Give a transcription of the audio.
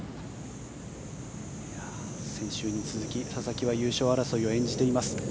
先週に続きささきは優勝争いを演じています。